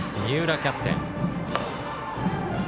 三浦キャプテン。